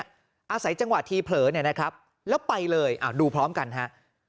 อาศัยจังหวะทีเผลอเนี่ยนะครับแล้วไปเลยดูพร้อมกันฮะ